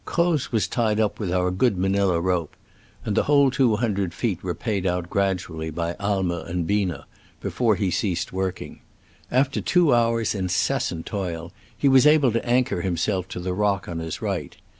Croz was tied up with our good manila rope, and the whole two hundred feet were paid out gradually by Aimer and Biener before he ceased working. After two hours' incessant toil, he was able to anchor himself to the rock on his right.